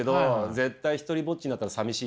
絶対独りぼっちになったらさみしい。